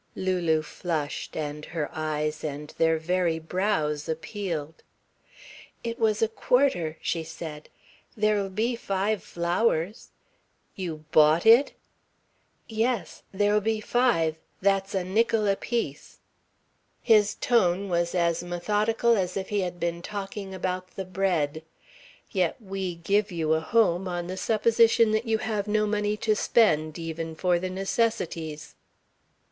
Lulu flushed, and her eyes and their very brows appealed. "It was a quarter," she said. "There'll be five flowers." "You bought it?" "Yes. There'll be five that's a nickel apiece." His tone was as methodical as if he had been talking about the bread. "Yet we give you a home on the supposition that you have no money to spend, even for the necessities."